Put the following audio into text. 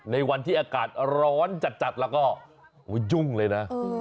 ในวันที่อากาศร้อนจัดแล้วก็ยุ่งเลยนะ